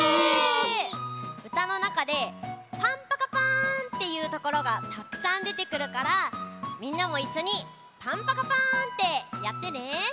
うたのなかで「パンパカパーン」っていうところがたくさんでてくるからみんなもいっしょに「パンパカパーン」ってやってね。